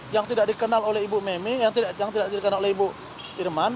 yang tidak dikenal oleh ibu memi yang tidak dikenal oleh ibu irman